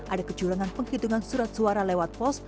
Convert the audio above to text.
ada kecurangan penghitungan surat suara lewat pos